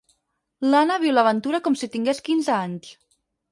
L'Anna viu l'aventura com si tingués quinze anys.